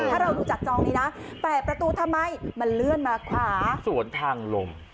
ถ้าเราดูจากจองนี้นะแปะประตูทำไมมันเลื่อนมาขวาสวนทางลง